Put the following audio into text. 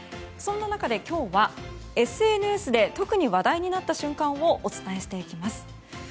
そんな中で今日はＳＮＳで特に話題になった瞬間をお伝えしていきます。